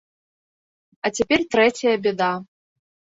А цяпер трэцяя бяда.